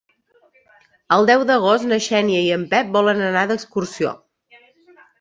El deu d'agost na Xènia i en Pep volen anar d'excursió.